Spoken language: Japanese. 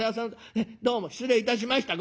へえどうも失礼いたしました。